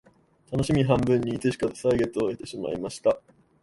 たのしみ半分にいつしか歳月を経てしまいました